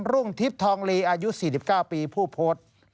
รุ่งทิพย์ทองลีอายุ๔๙ปีผู้โพสต์